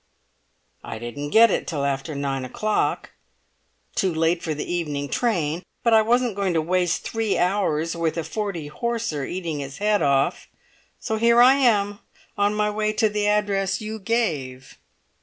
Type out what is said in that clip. "I didn't get it till after nine o'clock—too late for the evening train—but I wasn't going to waste three hours with a forty horser eating its head off! So here I am, on my way to the address you gave."